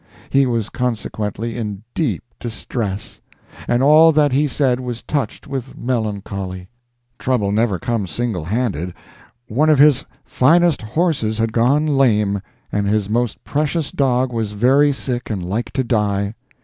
He was consequently in deep distress, and all that he said was touched with melancholy. Trouble never comes singlehanded. One of his finest horses had gone lame, and his most precious dog was very sick and like to die.